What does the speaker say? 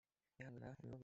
mwihanganaga mu mibabaro